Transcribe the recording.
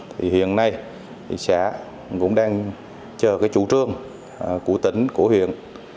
thì hiện nay xã cũng đang chờ chủ trương của tỉnh của huyện